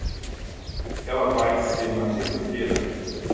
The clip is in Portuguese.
Ela vai ser na terça-feira?